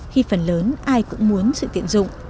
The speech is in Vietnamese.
khi phần lớn ai cũng muốn sự tiện dụng